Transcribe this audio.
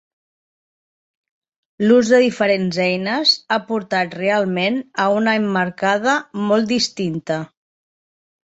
L'ús de diferents eines ha portat realment a una emmarcada molt distinta.